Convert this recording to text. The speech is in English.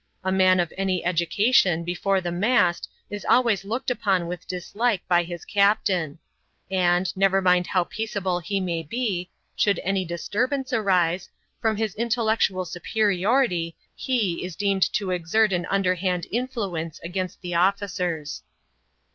A man of any educa tion before the mast is always looked upon with dislike by his captain ; and, never mind how peaceable he may be, should aay distiirbaiice arise, from his intellectuid superiority, he is deemed to exert an underhand influence against the officers.